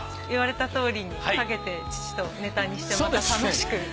言われたとおりに掛けて父とネタにしてまた楽しく。